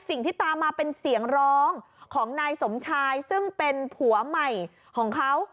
สิ่งที่ตามมาเป็นเสียงร้องของนายสมชายซึ่งเป็นผัวใหม่ของเขา